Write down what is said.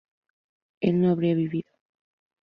él no habría vivido